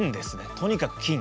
とにかく金。